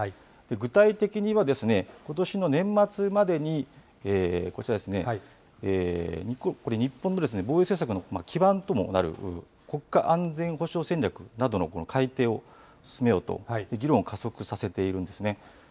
具体的には、ことしの年末までにこちらですね、これ、日本の防衛政策の基盤ともなる国家安全保障戦略などの改定を進めようと、議論を加速させているんですね。